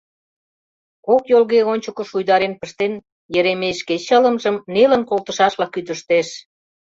Кок йолге ончыко шуйдарен пыштен, Еремей шке чылымжым нелын колтышашла кӱтыштеш.